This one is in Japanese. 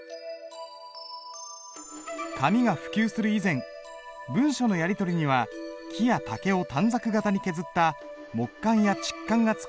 紙が普及する以前文書のやり取りには木や竹を短冊形に削った木簡や竹簡が使われた。